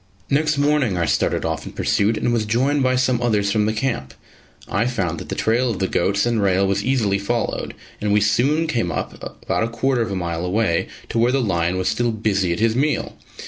Next morning I started off in pursuit and was joined by some others from the camp. I found that the trail of the goats and rail was easily followed, and we soon came up, about a quarter of a mile away, to where the lion was still busy at his meal.